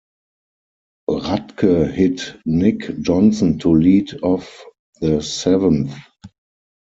Radke hit Nick Johnson to lead off the seventh.